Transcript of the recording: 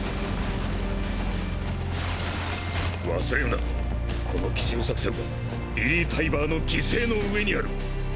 忘れるなこの奇襲作戦はヴィリー・タイバーの犠牲の上にある。